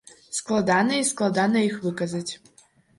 Складаныя і складана іх выказаць.